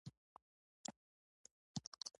په پای کې يې خپله لېوالتیا په حقيقت بدله کړه.